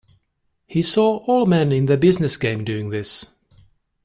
He saw all men in the business game doing this.